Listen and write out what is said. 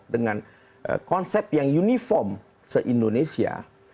dengan konsep yang uniform se indonesia